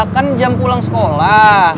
kan jam pulang sekolah